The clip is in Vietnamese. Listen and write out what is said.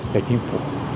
để tiêm phụ